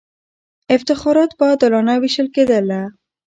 افتخارات به عادلانه وېشل کېدله.